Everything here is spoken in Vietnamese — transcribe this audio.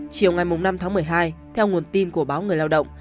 chiều ngày năm tháng một mươi hai theo nguồn tin của báo người lao động